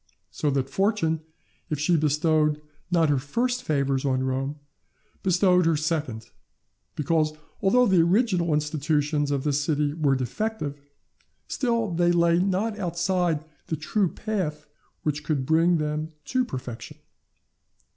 So that Fortune, if she bestowed not her first favours on Rome, bestowed her second; because, although the original institutions of this city were defective, still they lay not outside the true path which could bring them to perfection.